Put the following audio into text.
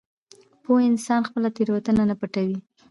پوه انسان خپله تېروتنه نه پټوي.